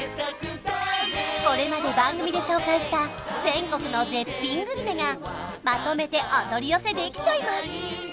これまで番組で紹介した全国の絶品グルメがまとめてお取り寄せできちゃいます